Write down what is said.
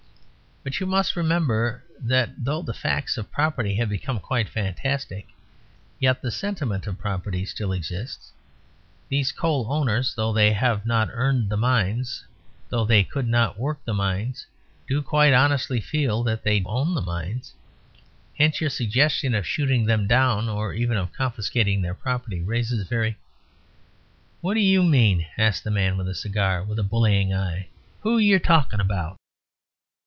But you must remember that though the facts of property have become quite fantastic, yet the sentiment of property still exists. These coal owners, though they have not earned the mines, though they could not work the mines, do quite honestly feel that they own the mines. Hence your suggestion of shooting them down, or even of confiscating their property, raises very " "What do you mean?" asked the man with the cigar, with a bullying eye. "Who yer talking about?"